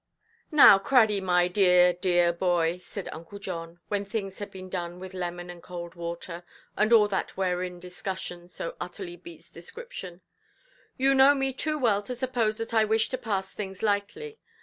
"Now, Craddy, my dear, dear boy", said Uncle John, when things had been done with lemon and cold water, and all that wherein discussion so utterly beats description, "you know me too well to suppose that I wish to pass things lightly.